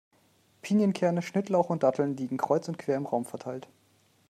Pinienkerne, Schnittlauch und Datteln liegen kreuz und quer im Raum verteilt.